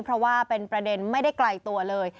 เพราะว่าเป็นประเด็นไม่ได้ไกลตัวเลย